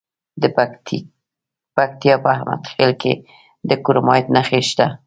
د پکتیا په احمد خیل کې د کرومایټ نښې شته.